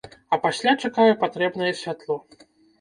А пасля чакаю патрэбнае святло.